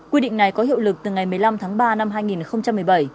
quy định này có hiệu lực từ ngày một mươi năm tháng ba năm hai nghìn một mươi bảy